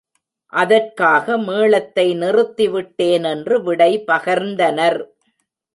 அதற்காக மேளத்தை நிறுத்திவிட்டேன் என்று விடை பகர்ந்தனர்.